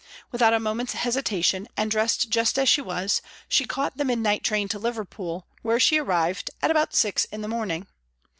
Without a moment's hesitation, and dressed just as she was, she caught the midnight train to Liverpool, where she arrived at about six in the morning.